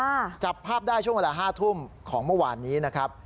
จับภาพได้ช่วงเวลาห้าทุ่มของเมื่อวานนี้นะครับ